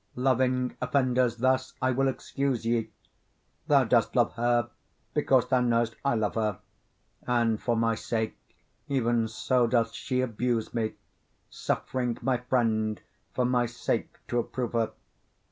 Loving offenders thus I will excuse ye: Thou dost love her, because thou know'st I love her; And for my sake even so doth she abuse me, Suffering my friend for my sake to approve her.